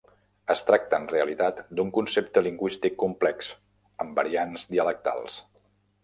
Es tracta en realitat d'un concepte lingüístic complex, amb variants dialectals.